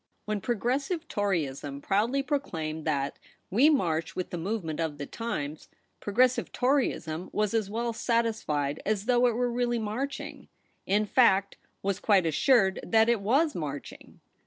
When Progressive Toryism proudly pro claimed that ' we march with the movement of the times,' Progressive Toryism was as well satisfied as though it were really march ing ; in fact, was quite assured that it was marching.